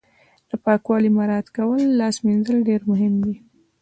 د پاکوالي مراعت کول او لاس مینځل ډیر مهم دي